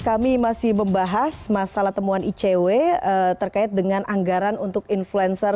kami masih membahas masalah temuan icw terkait dengan anggaran untuk influencer